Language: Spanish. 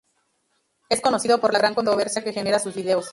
Es conocido por la gran controversia que generan sus vídeos.